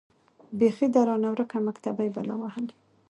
بيـخي ده رانـه وركه مــكتبۍ بــلا وهــلې.